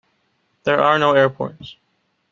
There are no airports.